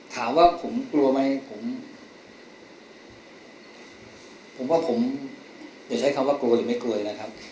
ถามว่าผมกลัวไหมผมผมว่าผมอย่าใช้คำว่ากลัวหรือไม่กลัวนะครับ